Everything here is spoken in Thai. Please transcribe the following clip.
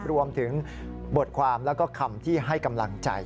รวมถึงบทความแล้วก็คำที่ให้กำลังใจ